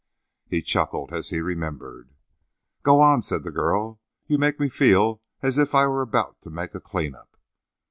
'" He chuckled as he remembered. "Go on," said the girl. "You make me feel as if I were about to make a clean up!"